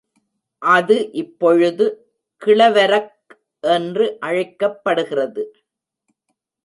அது இப்பொழுது கிளவரக் என்று அழைக்கப்படுகிறது.